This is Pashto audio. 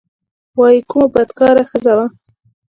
وايي کومه بدکاره ښځه وه.